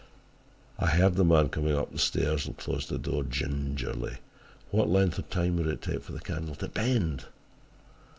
"I heard the man coming up the stairs and closed the door gingerly. What length of time would it take for the candle to bend!